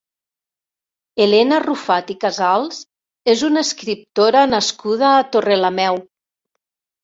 Helena Rufat i Casals és una escriptora nascuda a Torrelameu.